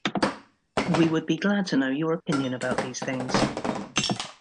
We would be glad to know your opinion about these things.